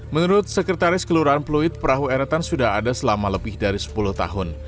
menurut sekretaris kelurahan pluit perahu eretan sudah ada selama lebih dari sepuluh tahun